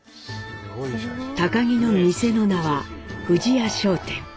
儀の店の名は富士屋商店。